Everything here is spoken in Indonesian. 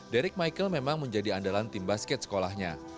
deric michael memang menjadi andalan tim basket sekolahnya